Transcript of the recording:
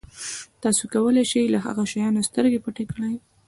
تاسو کولای شئ له هغه شیانو سترګې پټې کړئ.